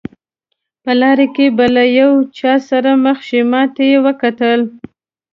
په لاره کې به له یو چا سره مخ شئ، ما ته یې وکتل.